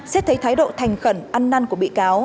xét thấy thái độ thành khẩn ăn năn của bị cáo